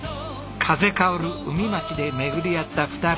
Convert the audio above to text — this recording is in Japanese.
風薫る海街で巡り会った２人。